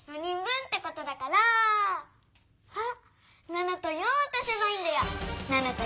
７と４を足せばいいんだよ。